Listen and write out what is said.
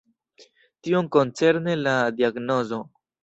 Tiom koncerne la diagnozon.